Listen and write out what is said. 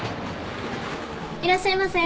・いらっしゃいませ！